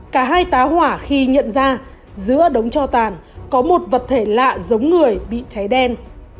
cả hai tá hỏa khi nhận ra giữa đống cho tàn có một vật thể lạ giống người bị cháy đen